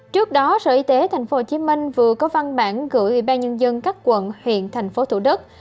trước đó sở y tế tp hcm vừa có văn bản gửi ủy ban nhân dân các quận huyện thành phố thủ đất